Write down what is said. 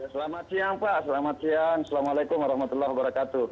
selamat siang pak selamat siang assalamualaikum warahmatullahi wabarakatuh